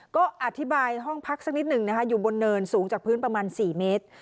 ก็อธิบายห้องพักสักนิดหนึ่งนะคะอยู่บนเนินสูงจากพื้นประมาณ๔เมตร